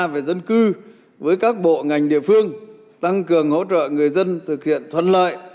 về dân cư với các bộ ngành địa phương tăng cường hỗ trợ người dân thực hiện thuận lợi